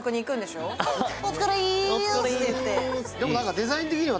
デザイン的には。